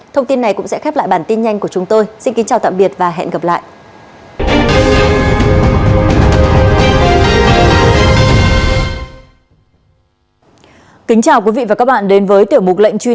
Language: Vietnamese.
thông tin này sẽ là những thông tin về truy nã tội phạm